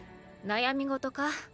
悩み事か？